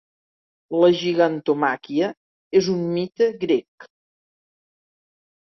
La gigantomàquia és un mite grec.